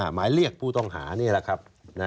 หมายเรียกผู้ต้องหานี่แหละครับ